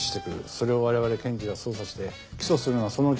それを我々検事が捜査して起訴するのはそのうちの３割。